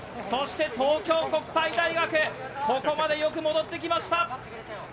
そして東京国際大学、ここまでよく戻ってきました。